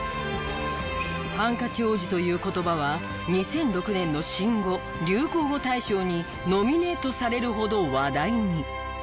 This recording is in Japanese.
「ハンカチ王子」という言葉は２００６年の新語・流行語大賞にノミネートされるほど話題に。